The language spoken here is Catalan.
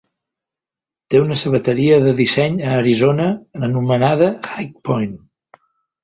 Té una sabateria de disseny a Arizona anomenada High Point.